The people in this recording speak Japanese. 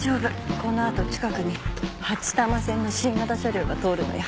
このあと近くに八多摩線の新型車両が通るのよ。